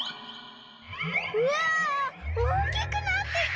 うわおおきくなってく。